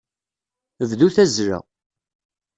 Bdu tazzla.